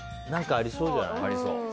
ありそうじゃない？